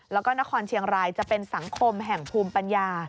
แล้วก็นครเชียงรายจะเป็นสังคมแห่งภูมิปัญญา